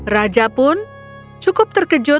raja pun cukup terkejut